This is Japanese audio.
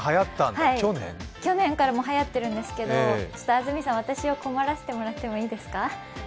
去年からもうはやってるんですけど、安住さん、私を困らせてもらっていいですか？